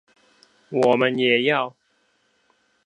我們也要